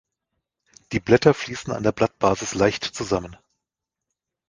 Die Blätter fließen an der Blattbasis leicht zusammen.